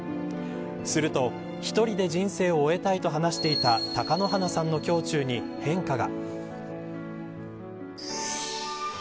すると、１人で人生を終えたいと話していた貴乃花さんの胸中に変化が。